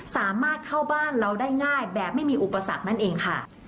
สามารถเข้าบ้านเราได้ง่ายแบบไม่มีอุปสรรคนั่นเองค่ะ